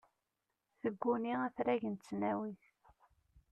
Yegguni afrag n tesnawit.